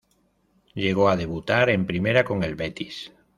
Llegó a debutar en Primera con el Betis.